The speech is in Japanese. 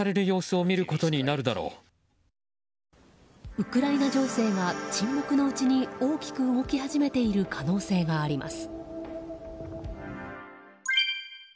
ウクライナ情勢が沈黙のうちに大きく動き始めている可能性があります。